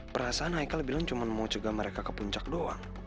perasaan michael bilang cuma mau juga mereka ke puncak doang